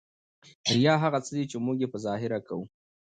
ریا هغه څه دي ، چي موږ ئې په ظاهره کوو.